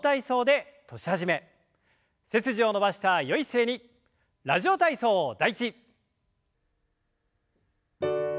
背筋を伸ばしたよい姿勢に「ラジオ体操第１」。